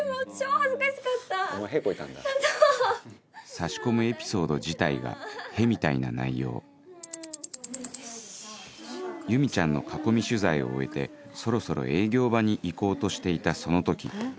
差し込むエピソード自体が屁みたいな内容由美ちゃんの囲み取材を終えてそろそろ営業場に行こうとしていたその時ん？